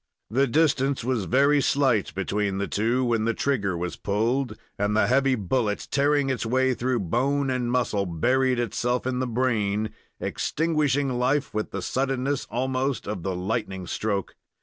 The distance was very slight between the two when the trigger was pulled, and the heavy bullet, tearing its way through bone and muscle, buried itself in the brain, extinguishing life with the suddenness almost of the lightning stroke.